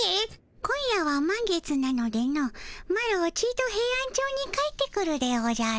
今夜はまん月なのでのマロちとヘイアンチョウに帰ってくるでおじゃる。